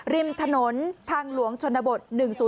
ริมถนนทางหลวงชนบท๑๐๔